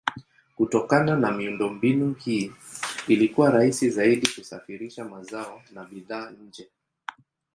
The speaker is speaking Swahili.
Kutokana na miundombinu hii ilikuwa rahisi zaidi kusafirisha mazao na bidhaa nje.